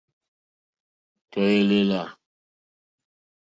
Tɔ̀ èlèlà.